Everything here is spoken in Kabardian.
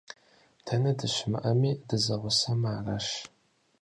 Дэнэ дыщымыӀэми, дызэгъусэмэ аращ.